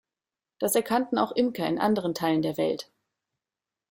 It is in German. Das erkannten auch Imker in anderen Teilen der Welt.